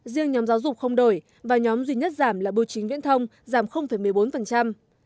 riêng nhóm giáo dục không đổi và nhóm duy nhất giảm là bưu chính viễn thông giảm một mươi bốn